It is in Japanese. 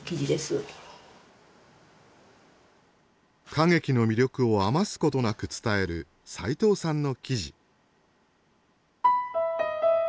歌劇の魅力を余すことなく伝える齋藤さんの記事。